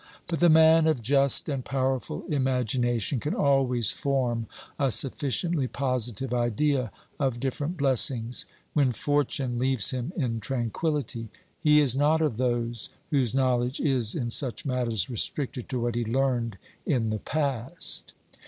But the man of just and powerful imagination can always form a suf^ciently positive idea of different blessings, when fortune leaves him in tran quillity ; he is not of those whose knowledge is, in such matters, restricted to what he learned in the past.